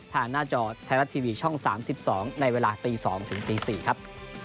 หน้าจอไทยรัฐทีวีช่อง๓๒ในเวลาตี๒ถึงตี๔ครับ